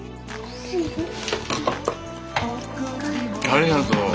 ありがとう。